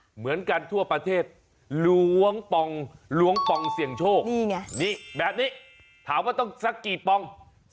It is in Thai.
เหมือนกันทั่วประเทศล้วงปองเสี่ยงโชคนี่แบบนี้ถามว่าต้องซักกี่ปอง